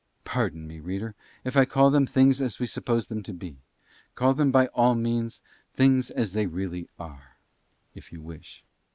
Pardon me, reader, if I call them things as we suppose them to be; call them by all means Things As They Really Are, if you wish.